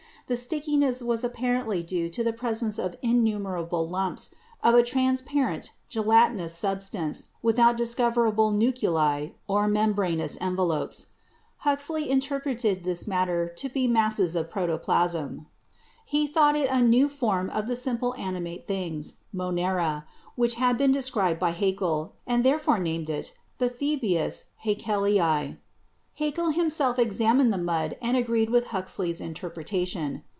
The stickiness was apparently due to the pres ence of innumerable lumps of a transparent gelatinous substance without discoverable nuclei or membranous, envelopes. Huxley interpreted this matter to be masses 55 56 BIOLOGY of protoplasm. He thought it a new form of the simple animate things (Monera) which had been described by Haeckel, and therefore named it Bathybius Haeckelii. Haeckel himself examined the mud and agreed with Huxley's interpretation.